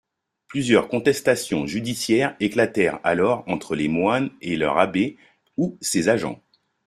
Plusieurs contestations judiciaires éclatèrent alors entre les moines et leur abbé, ou ses agents.